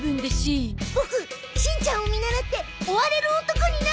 ボクしんちゃんを見習って追われる男になる！